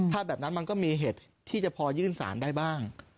ถ้าแบบนั้นมันก็มีเหตุที่จะพอยื่นสารได้บ้าง